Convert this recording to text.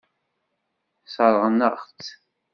Sseṛɣen-aɣ-tt.